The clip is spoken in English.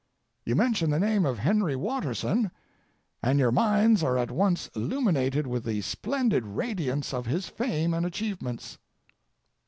You mention the name of Henry Watterson, and your minds are at once illuminated with the splendid radiance of his fame and achievements.